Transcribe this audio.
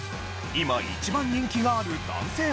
今一番人気がある男性